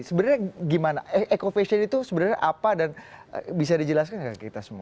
sebenarnya gimana eco fashion itu sebenarnya apa dan bisa dijelaskan ke kita semua